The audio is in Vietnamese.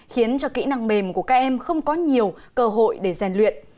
khiến cho kỹ năng mềm của các em không có nhiều cơ hội để rèn luyện